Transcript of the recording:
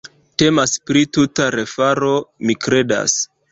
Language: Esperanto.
Temas pri tuta refaro, mi kredas.